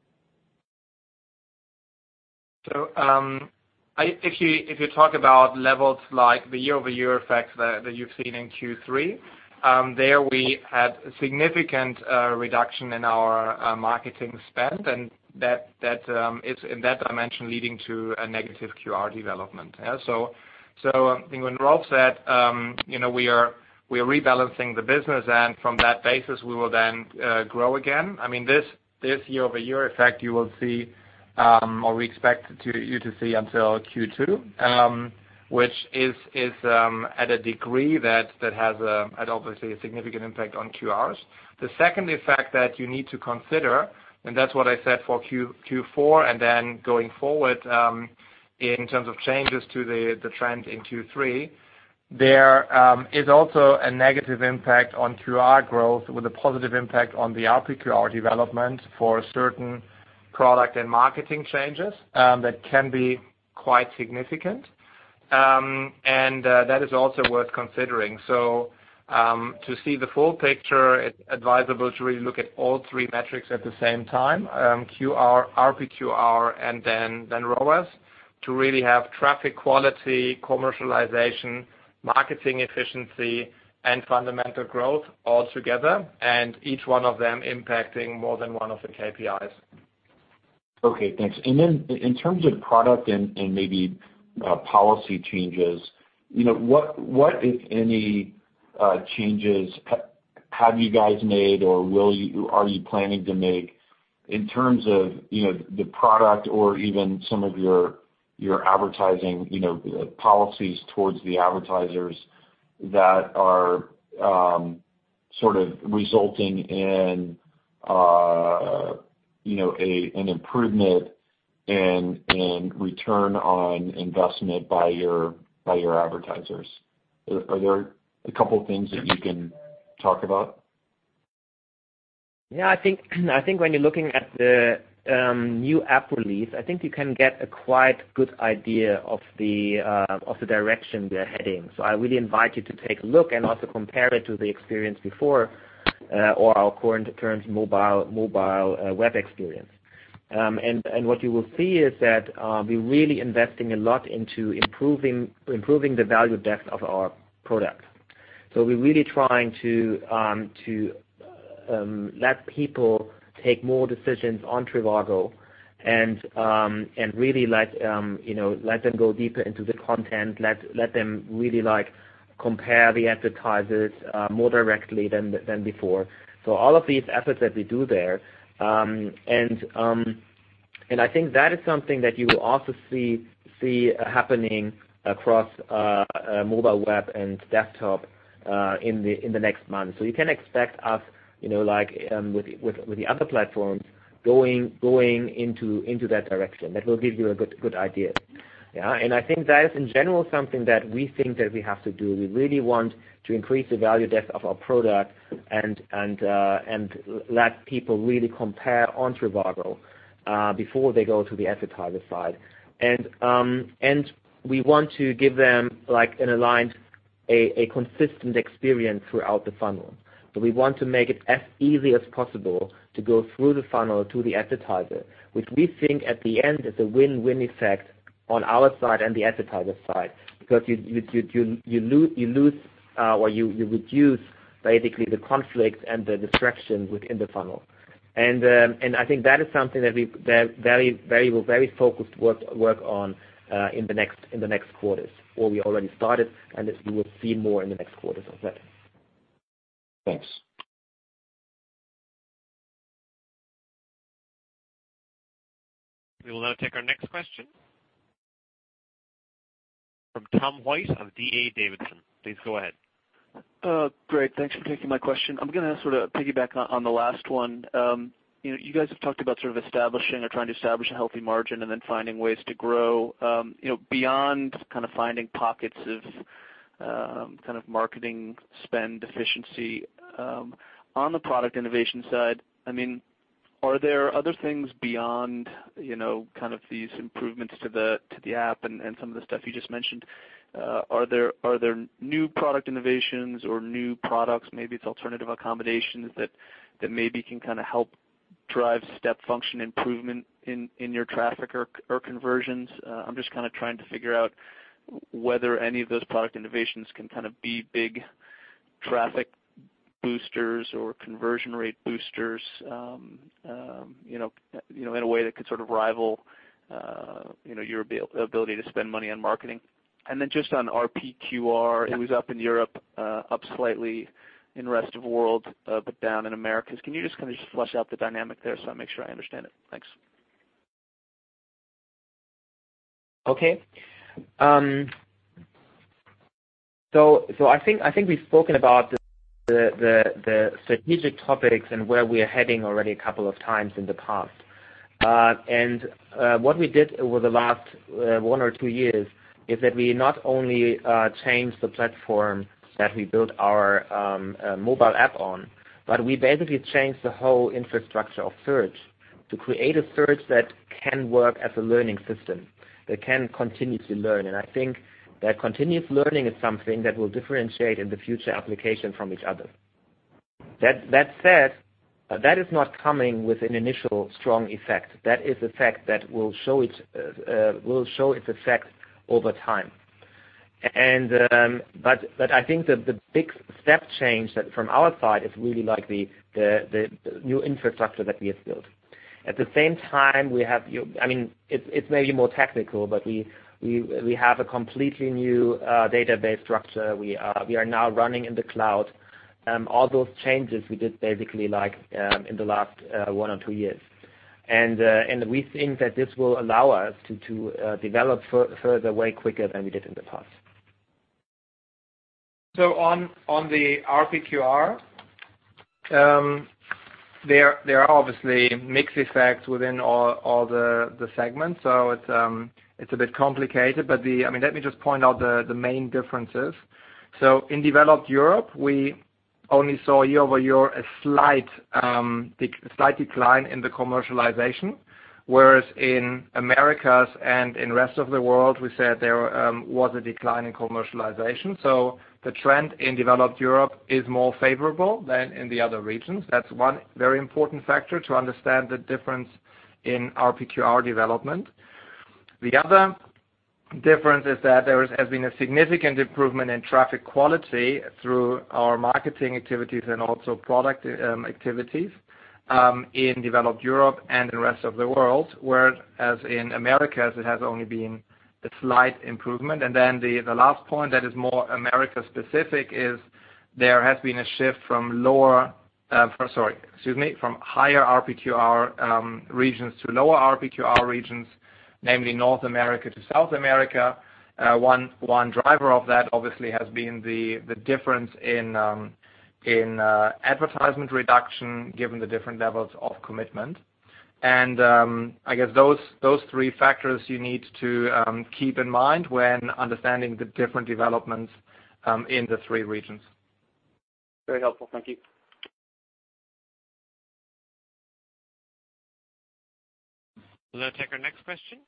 If you talk about levels like the year-over-year effects that you have seen in Q3, there we had significant reduction in our marketing spend, and that is in that dimension leading to a negative QR development. I think when Rolf said we are rebalancing the business and from that basis, we will then grow again, this year-over-year effect you will see, or we expect you to see until Q2, which is at a degree that has had obviously a significant impact on QRs. The second effect that you need to consider, and that is what I said for Q4 and then going forward, in terms of changes to the trend in Q3, there is also a negative impact on QR growth with a positive impact on the RPQR development for certain product and marketing changes that can be quite significant. That is also worth considering. To see the full picture, it is advisable to really look at all three metrics at the same time, QR, RPQR, and then ROAS, to really have traffic quality, commercialization, marketing efficiency, and fundamental growth all together, and each one of them impacting more than one of the KPIs. Okay, thanks. In terms of product and maybe policy changes, what if any changes have you guys made or are you planning to make in terms of the product or even some of your advertising policies towards the advertisers that are sort of resulting in an improvement in return on investment by your advertisers? Are there a couple things that you can talk about? When you're looking at the new app release, I think you can get a quite good idea of the direction we are heading. I really invite you to take a look and also compare it to the experience before, or our current mobile web experience. What you will see is that we're really investing a lot into improving the value depth of our product. We're really trying to let people take more decisions on trivago and really let them go deeper into the content, let them really compare the advertisers more directly than before. All of these efforts that we do there, I think that is something that you will also see happening across mobile web and desktop in the next months. You can expect us, like with the other platforms, going into that direction. That will give you a good idea. I think that is in general something that we think that we have to do. We really want to increase the value depth of our product and let people really compare on trivago, before they go to the advertiser side. We want to give them an aligned consistent experience throughout the funnel. We want to make it as easy as possible to go through the funnel to the advertiser, which we think at the end is a win-win effect on our side and the advertiser side. Because you lose or you reduce basically the conflict and the distraction within the funnel. I think that is something that we're very focused work on in the next quarters, or we already started, and you will see more in the next quarters of that. Thanks. We will now take our next question from Tom White of D.A. Davidson. Please go ahead. Great. Thanks for taking my question. I'm going to sort of piggyback on the last one. You guys have talked about sort of establishing or trying to establish a healthy margin and then finding ways to grow. Beyond finding pockets of marketing spend efficiency on the product innovation side, are there other things beyond these improvements to the app and some of the stuff you just mentioned? Are there new product innovations or new products, maybe it's alternative accommodations that maybe can help drive step function improvement in your traffic or conversions? I'm just trying to figure out whether any of those product innovations can be big traffic boosters or conversion rate boosters in a way that could sort of rival your ability to spend money on marketing. Just on RPQR, it was up in Europe, up slightly in rest of world, but down in Americas. Can you just flesh out the dynamic there so I make sure I understand it? Thanks. Okay. I think we've spoken about the strategic topics and where we are heading already a couple of times in the past. What we did over the last one or two years is that we not only changed the platform that we built our mobile app on, but we basically changed the whole infrastructure of search to create a search that can work as a learning system, that can continue to learn. I think that continuous learning is something that will differentiate in the future application from each other. That said, that is not coming with an initial strong effect. That is effect that will show its effect over time. I think that the big step change that from our side is really the new infrastructure that we have built. At the same time, it's maybe more technical, but we have a completely new database structure. We are now running in the cloud. All those changes we did basically in the last one or two years. We think that this will allow us to develop further way quicker than we did in the past. On the RPQR, there are obviously mixed effects within all the segments. It's a bit complicated. Let me just point out the main differences. In Developed Europe, we only saw year-over-year a slight decline in the commercialization, whereas in Americas and in rest of the world, we said there was a decline in commercialization. The trend in Developed Europe is more favorable than in the other regions. That's one very important factor to understand the difference in RPQR development. The other difference is that there has been a significant improvement in traffic quality through our marketing activities and also product activities, in Developed Europe and the rest of the world. Whereas in Americas, it has only been a slight improvement. The last point that is more America-specific is there has been a shift from higher RPQR regions to lower RPQR regions, namely North America to South America. One driver of that obviously has been the difference in advertisement reduction given the different levels of commitment. I guess those three factors you need to keep in mind when understanding the different developments in the three regions. Very helpful. Thank you. We'll now take our next question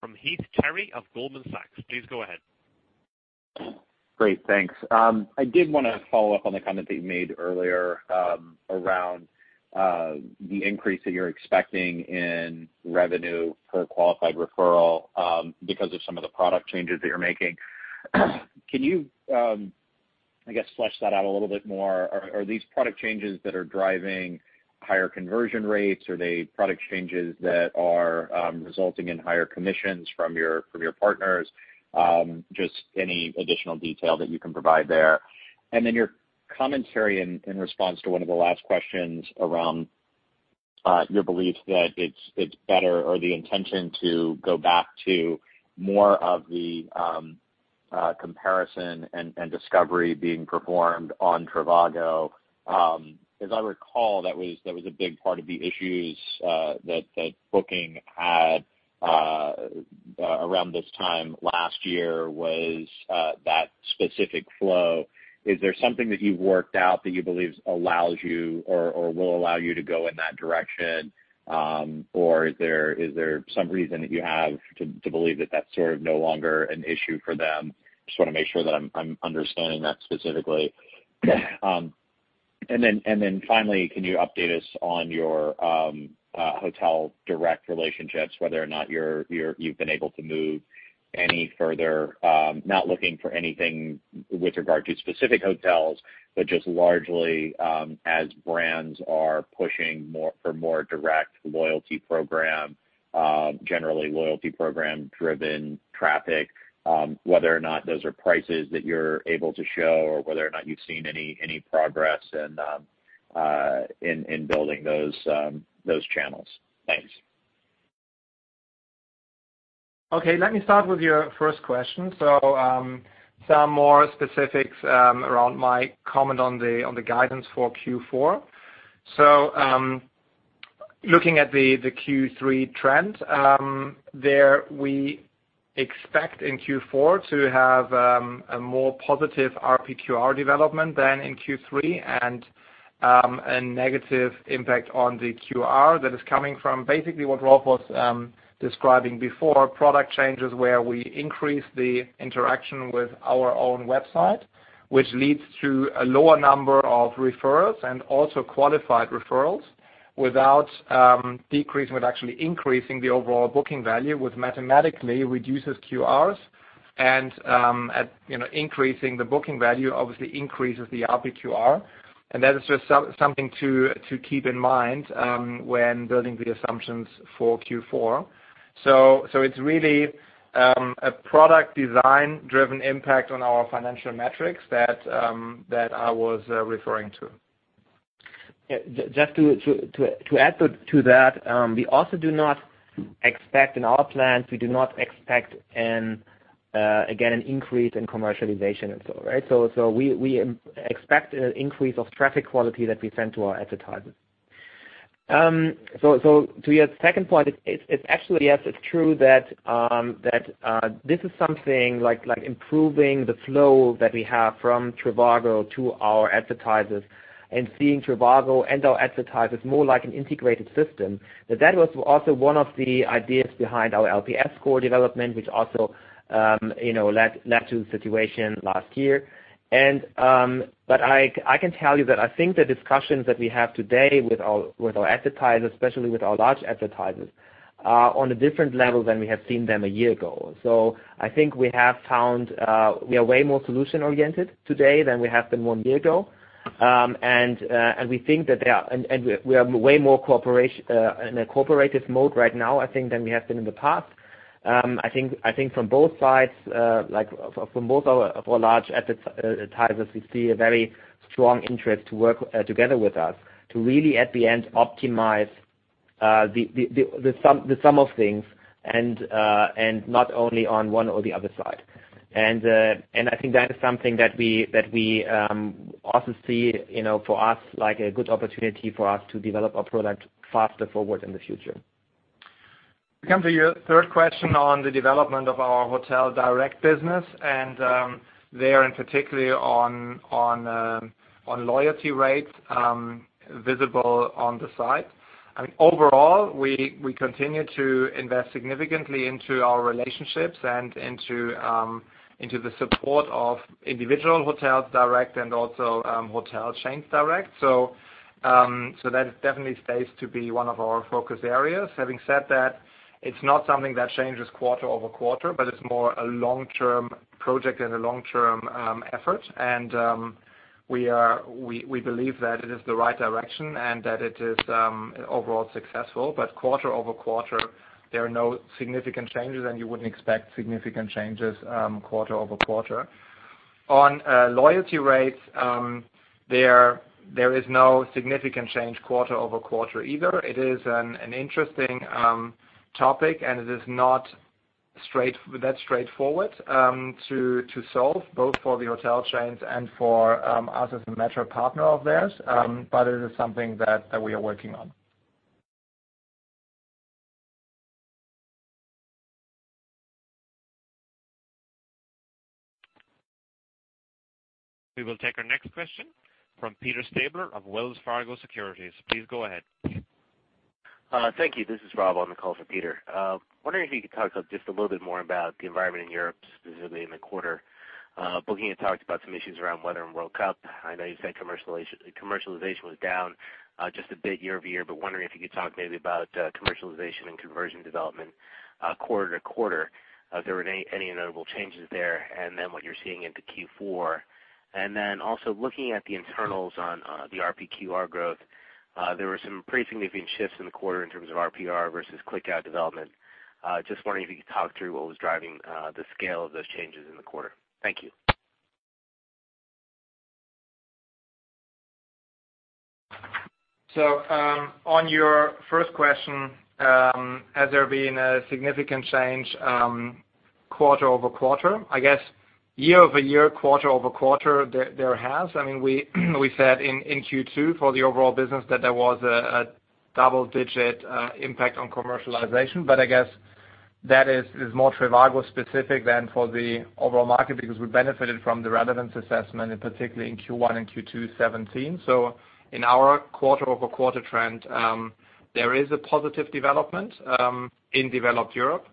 from Heath Terry of Goldman Sachs. Please go ahead. Great, thanks. I did want to follow up on the comment that you made earlier, around the increase that you're expecting in revenue per qualified referral because of some of the product changes that you're making. Can you, I guess, flesh that out a little bit more? Are these product changes that are driving higher conversion rates? Are they product changes that are resulting in higher commissions from your partners? Just any additional detail that you can provide there. Your commentary in response to one of the last questions around your belief that it's better or the intention to go back to more of the comparison and discovery being performed on trivago. As I recall, that was a big part of the issues that Booking had around this time last year was that specific flow. Is there something that you've worked out that you believe allows you or will allow you to go in that direction? Or is there some reason that you have to believe that's no longer an issue for them? Just want to make sure that I'm understanding that specifically. Finally, can you update us on your hotel direct relationships, whether or not you've been able to move any further? Not looking for anything with regard to specific hotels, but just largely, as brands are pushing for more direct loyalty program, generally loyalty program-driven traffic, whether or not those are prices that you're able to show or whether or not you've seen any progress in building those channels. Thanks. Let me start with your first question. Some more specifics around my comment on the guidance for Q4. Looking at the Q3 trends, there we expect in Q4 to have a more positive RPQR development than in Q3 and a negative impact on the QR that is coming from basically what Rolf was describing before, product changes where we increase the interaction with our own website. Which leads to a lower number of referrals and also qualified referrals without decreasing, with actually increasing the overall booking value, which mathematically reduces QRs and increasing the booking value obviously increases the RPQR. That is just something to keep in mind when building the assumptions for Q4. It's really a product design-driven impact on our financial metrics that I was referring to. Just to add to that, we also do not expect, in our plans, again, an increase in commercialization. We expect an increase of traffic quality that we send to our advertisers. To your second point, it's actually, yes, it's true that this is something like improving the flow that we have from trivago to our advertisers and seeing trivago and our advertisers more like an integrated system. That was also one of the ideas behind our LPS core development, which also led to the situation last year. I can tell you that I think the discussions that we have today with our advertisers, especially with our large advertisers, are on a different level than we have seen them a year ago. I think we have found we are way more solution-oriented today than we have been one year ago. We are way more in a cooperative mode right now, I think, than we have been in the past. I think from both sides, our large advertisers, we see a very strong interest to work together with us to really, at the end, optimize the sum of things and not only on one or the other side. I think that is something that we also see for us, like a good opportunity for us to develop our product faster forward in the future. To come to your third question on the development of our hotel direct business, and there in particular on loyalty rates visible on the site. Overall, we continue to invest significantly into our relationships and into the support of individual hotels direct and also hotel chains direct. That definitely stays to be one of our focus areas. Having said that, it's not something that changes quarter-over-quarter, but it's more a long-term project and a long-term effort. We believe that it is the right direction and that it is overall successful, but quarter-over-quarter, there are no significant changes, and you wouldn't expect significant changes quarter-over-quarter. On loyalty rates, there is no significant change quarter-over-quarter either. It is an interesting topic, and it is not that straightforward to solve, both for the hotel chains and for us as a meta search partner of theirs. It is something that we are working on. We will take our next question from Peter Stabler of Wells Fargo Securities. Please go ahead. Thank you. This is Rolf on the call for Peter. Wondering if you could talk just a little bit more about the environment in Europe, specifically in the quarter. Booking, you talked about some issues around weather and World Cup. I know you said commercialization was down just a bit year-over-year, wondering if you could talk maybe about commercialization and conversion development quarter-to-quarter. If there were any notable changes there, what you're seeing into Q4. Also looking at the internals on the RPQR growth, there were some pretty significant shifts in the quarter in terms of RPR versus click-out development. Wondering if you could talk through what was driving the scale of those changes in the quarter. Thank you. On your first question, has there been a significant change quarter-over-quarter? I guess year-over-year, quarter-over-quarter, there has. We said in Q2 for the overall business that there was a double-digit impact on commercialization. I guess that is more trivago specific than for the overall market, because we benefited from the relevance assessment, and particularly in Q1 and Q2 2017. In our quarter-over-quarter trend, there is a positive development in Developed Europe.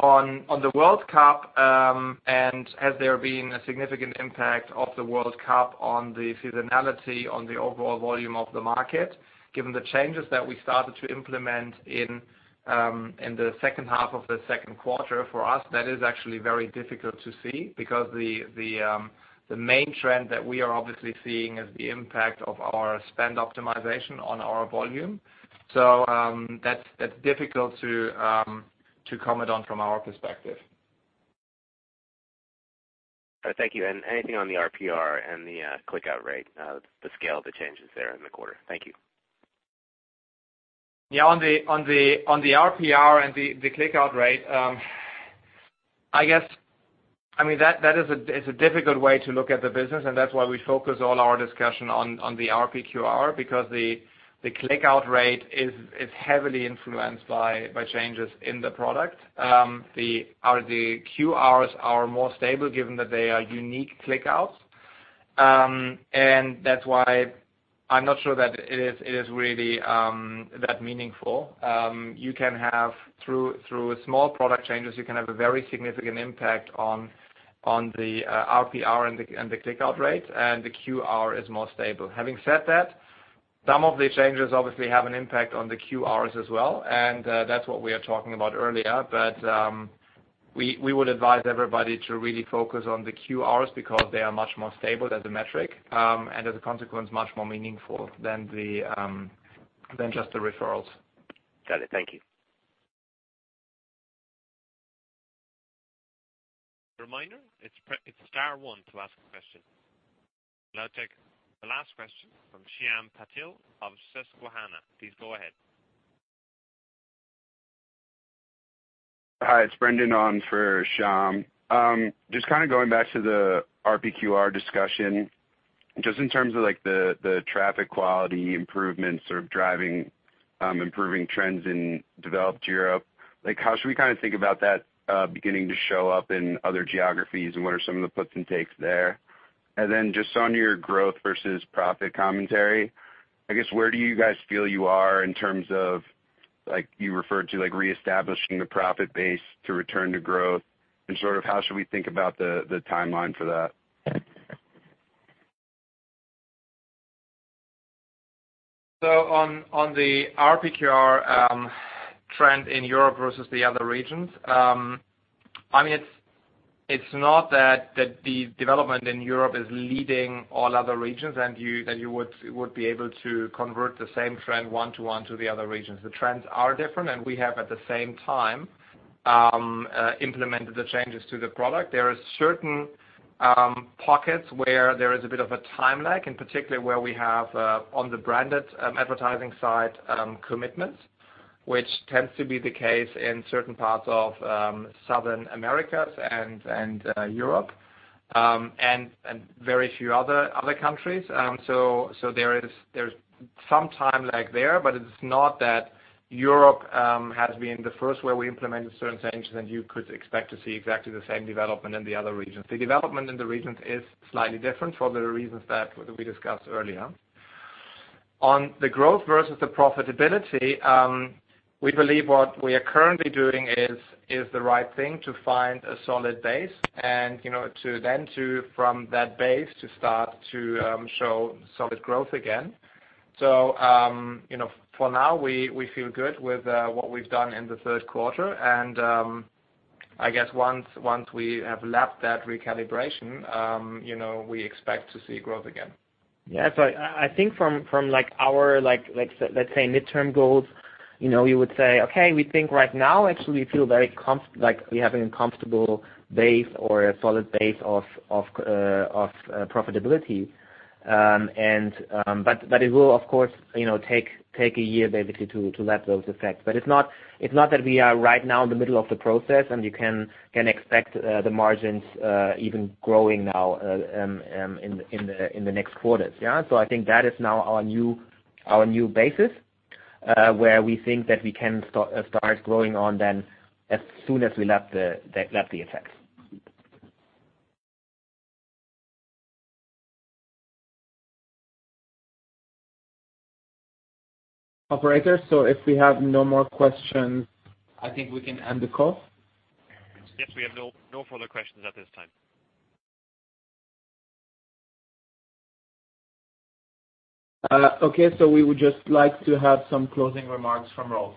On the World Cup, has there been a significant impact of the World Cup on the seasonality on the overall volume of the market? Given the changes that we started to implement in the second half of the second quarter, for us, that is actually very difficult to see because the main trend that we are obviously seeing is the impact of our spend optimization on our volume. That's difficult to comment on from our perspective. Thank you. Anything on the RPR and the click-out rate, the scale of the changes there in the quarter? Thank you. Yeah, on the RPR and the click-out rate, that is a difficult way to look at the business, and that's why we focus all our discussion on the RPQR, because the click-out rate is heavily influenced by changes in the product. The QRs are more stable given that they are unique click-outs. That's why I'm not sure that it is really that meaningful. Through small product changes, you can have a very significant impact on the RPR and the click-out rate, and the QR is more stable. Having said that, some of the changes obviously have an impact on the QRs as well, and that's what we are talking about earlier. We would advise everybody to really focus on the QRs because they are much more stable as a metric, and as a consequence, much more meaningful than just the referrals. Got it. Thank you. Reminder, it's star 1 to ask a question. I'll now take the last question from Shyam Patil of Susquehanna. Please go ahead. Hi, it's Brendan on for Shyam. Going back to the RPQR discussion. In terms of the traffic quality improvements, improving trends in Developed Europe, how should we think about that beginning to show up in other geographies, and what are some of the puts and takes there? On your growth versus profit commentary, I guess, where do you guys feel you are in terms of, you referred to reestablishing the profit base to return to growth, how should we think about the timeline for that? On the RPQR trend in Europe versus the other regions. It's not that the development in Europe is leading all other regions and that you would be able to convert the same trend one to one to the other regions. The trends are different, and we have at the same time, implemented the changes to the product. There are certain pockets where there is a bit of a time lag, and particularly where we have, on the branded advertising side, commitments, which tends to be the case in certain parts of Southern Americas and Europe, and very few other countries. There is some time lag there, but it's not that Europe has been the first where we implemented certain changes, and you could expect to see exactly the same development in the other regions. The development in the regions is slightly different for the reasons that we discussed earlier. On the growth versus the profitability, we believe what we are currently doing is the right thing to find a solid base and to then from that base to start to show solid growth again. For now, we feel good with what we've done in the third quarter, and I guess once we have lapped that recalibration, we expect to see growth again. I think from our, let's say midterm goals, we would say, okay, we think right now actually we feel like we have a comfortable base or a solid base of profitability. It will of course take a year basically to lap those effects. It's not that we are right now in the middle of the process, and you can expect the margins even growing now in the next quarters. I think that is now our new basis, where we think that we can start growing on then as soon as we lap the effects. Operator, if we have no more questions, I think we can end the call. We have no further questions at this time. We would just like to have some closing remarks from Rolf.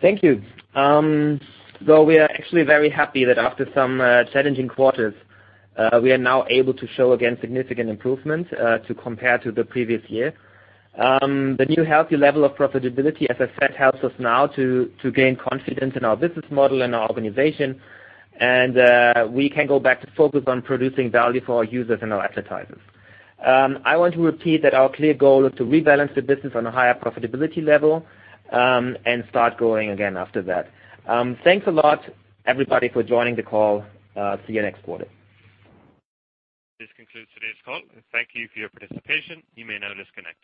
Thank you. We are actually very happy that after some challenging quarters, we are now able to show again significant improvements to compare to the previous year. The new healthy level of profitability, as I said, helps us now to gain confidence in our business model and our organization, and we can go back to focus on producing value for our users and our advertisers. I want to repeat that our clear goal is to rebalance the business on a higher profitability level, and start growing again after that. Thanks a lot, everybody, for joining the call. See you next quarter. This concludes today's call. Thank you for your participation. You may now disconnect.